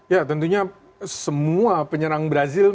ya tentunya semua penyerang brazil